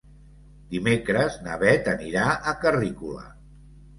Dimecres na Beth anirà a Carrícola.